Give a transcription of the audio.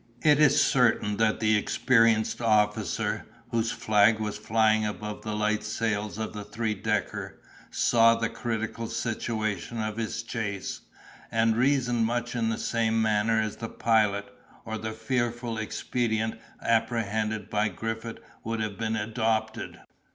It is certain that the experienced officer, whose flag was flying above the light sails of the three decker, saw the critical situation of his chase, and reasoned much in the same manner as the Pilot, or the fearful expedient apprehended by Griffith would have been adopted.